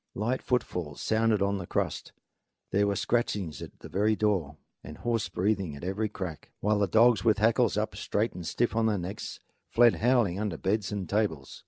Light footfalls sounded on the crust; there were scratchings at the very door and hoarse breathings at every crack; while the dogs, with hackles up straight and stiff on their necks, fled howling under beds and tables.